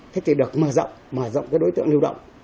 thế thì được mở rộng mở rộng cái đối tượng lưu động